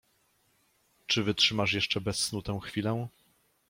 Czy wytrzymasz jeszcze bez snu tę chwilę?